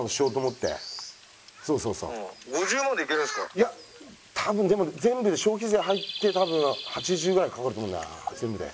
いや多分でも全部で消費税入って多分８０ぐらいかかると思うんだよな全部で。